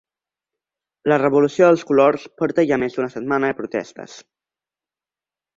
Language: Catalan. La Revolució dels Colors porta ja més d'una setmana de protestes